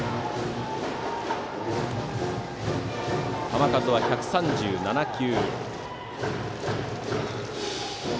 球数は１３７球。